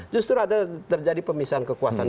justru ada terjadi pemisahan kekuasaan